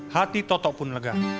hati totok pun lega